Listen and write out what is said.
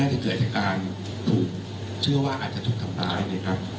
น่าจะเกิดการเชื่อว่าอาจจะถูกทำร้ายนะครับ